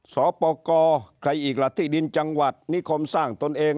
สปกรใครอีกล่ะที่ดินจังหวัดนิคมสร้างตนเอง